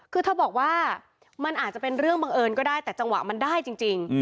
คือเธอบอกว่ามันอาจจะเป็นเรื่องบังเอิญก็ได้แต่จังหวะมันได้จริง